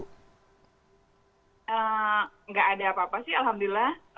tidak ada apa apa sih alhamdulillah